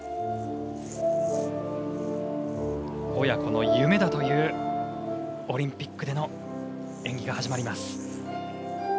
親子の夢だというオリンピックでの演技が始まります。